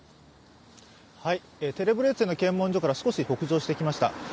テレブレチェの検問所から少し北上してきました。